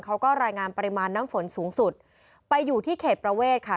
เขาก็รายงานปริมาณน้ำฝนสูงสุดไปอยู่ที่เขตประเวทค่ะ